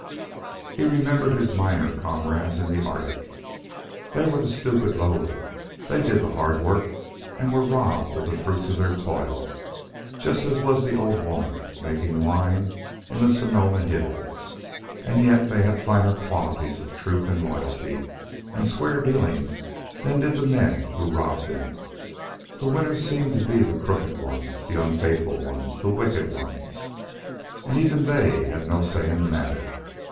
He remembered his miner comrades of the Arctic. They were the stupid lowly, they did the hard work and were robbed of the fruit of their toil just as was the old woman making wine in the Sonoma hills; and yet they had finer qualities of truth, and loyalty, and square dealing than did the men who robbed them. The winners seemed to be the crooked ones, the unfaithful ones, the wicked ones. And even they had no say in the matter.